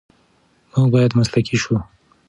موږ باید مسلکي شو.